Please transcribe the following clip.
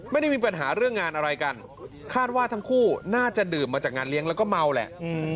ไม่ได้มีปัญหาเรื่องงานอะไรกันคาดว่าทั้งคู่น่าจะดื่มมาจากงานเลี้ยงแล้วก็เมาแหละ